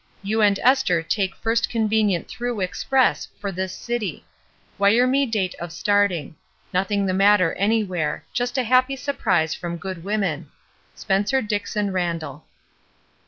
You and Esther take first con venient through express for this city. Wire me date of starting. Nothing the matter anywhere. Just a happy surprise from good women. ^^ gpENCER Dixon Randall."